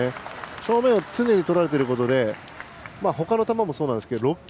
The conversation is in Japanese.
正面を常にとられていてほかの球もそうなんですが６球